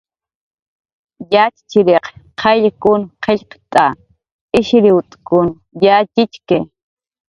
Yatxchiriq qayllkun qillqt'a, iskriwt'kun yatxichki